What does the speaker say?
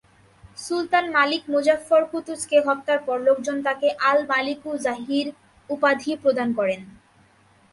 সুলতান Malik Muzaffar কুতুযকে হত্যার পর লোকজন তাকে আল-মালিকু যাহির উপাধি প্রদান করে।